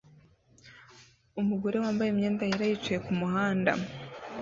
Umugore wambaye imyenda yera yicaye kumuhanda